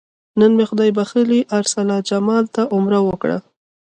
نن مې خدای بښلي ارسلا جمال ته عمره وکړه.